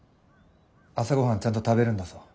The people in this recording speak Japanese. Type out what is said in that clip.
朝御飯ちゃんと食べるんだぞ。